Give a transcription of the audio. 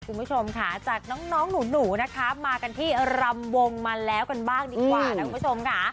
คุณผู้ชมค่ะจากน้องหนูนะคะมากันที่รำวงมาแล้วกันบ้างดีกว่านะคุณผู้ชมค่ะ